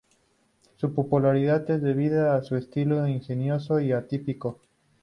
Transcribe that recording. Su popularidad es debida a su estilo ingenioso y atípico.